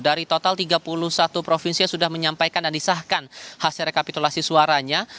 dari total tiga puluh satu provinsi yang sudah menyampaikan dan disahkan hasil rekapitulasi suaranya